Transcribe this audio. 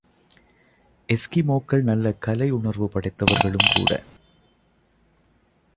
எஸ்கிமோக்கள் நல்ல கலை உணர்வு படைத்தவர்களும் கூட.